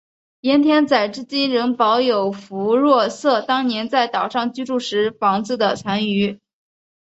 盐田仔至今仍保有福若瑟当年在岛上居住时的房子的残余。